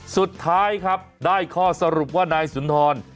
สุดท้ายครับได้ข้อสรุปว่านายสุนทร